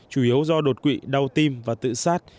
chủ yếu do đột quỵ đau tim và tự sát